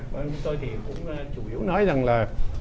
vâng tôi thì cũng chủ yếu nói rằng là